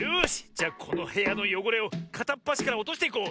じゃこのへやのよごれをかたっぱしからおとしていこう。